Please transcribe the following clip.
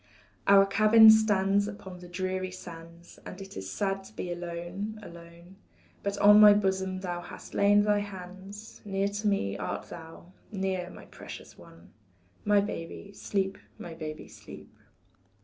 Our cabin stands upon the dreary sands, And it is sad to be alone, alone. But on my bosom thou hast lain thy hands, Near to me art thou, near, my precious one My, baby, sleep, my baby, sleep.